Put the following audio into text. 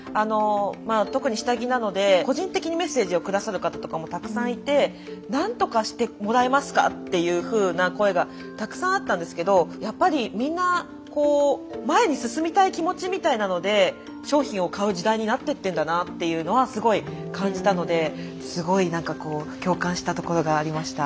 特に下着なので個人的にメッセージを下さる方とかもたくさんいて何とかしてもらえますかというふうな声がたくさんあったんですけどやっぱりみんなになってってんだなっていうのはすごい感じたのですごいなんかこう共感したところがありました。